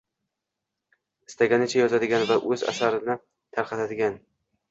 istaganicha yozadigan va o‘z asarlarini tarqatadigan